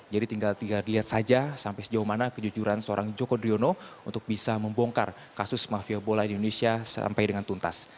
jadi tinggal dilihat saja sampai sejauh mana kejujuran seorang joko driono untuk bisa membongkar kasus mafia bola di indonesia sampai dengan tuntas